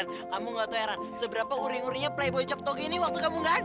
lan kamu nggak terlalu heran seberapa uring uringnya playboy ceptoge ini waktu kamu nggak ada